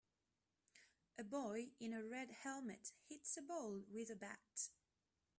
A boy in a red helmet hits a ball with a bat.